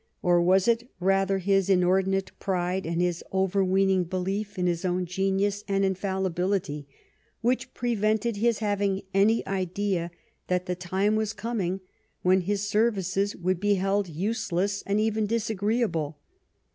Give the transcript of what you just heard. or was it rather his inordinate pride and his overweening belief in his own genius and infallibility which prevented his having any idea that the time was coming when his services would be held useless and even disagreeable